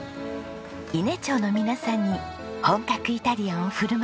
伊根町の皆さんに本格イタリアンを振る舞います。